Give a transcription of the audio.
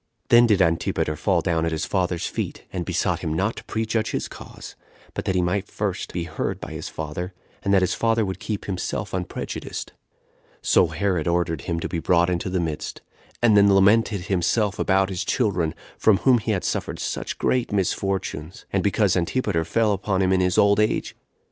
Then did Antipater fall down at his father's feet, and besought him not to prejudge his cause, but that he might be first heard by his father, and that his father would keep himself unprejudiced. So Herod ordered him to be brought into the midst, and then lamented himself about his children, from whom he had suffered such great misfortunes; and because Antipater fell upon him in his old age.